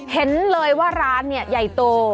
เห็นเลยว่าร้านเนี่ยใหญ่โต